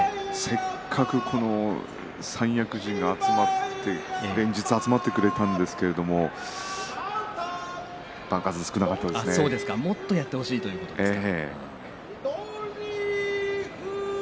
せっかく三役陣が集まって連日、集まってくれたんですけれどももっとやってほしいということですね。